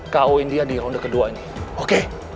ku in dia di ronde kedua ini oke